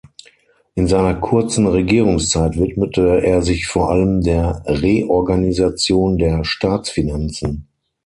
In seiner kurzen Regierungszeit widmete er sich vor allem der Reorganisation der Staatsfinanzen.